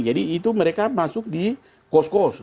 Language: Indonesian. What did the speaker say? itu mereka masuk di kos kos